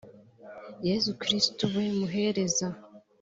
yezu kristu we muhereza